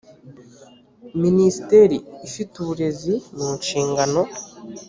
minisiteri ifite uburezi mu nshingano